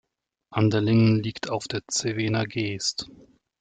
Anderlingen liegt auf der Zevener Geest.